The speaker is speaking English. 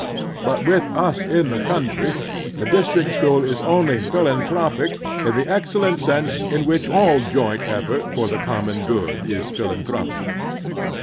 But with us in the coimtry the district school is only philan thropic in that excellent sense in which all joint effort for the common good is philanthropic.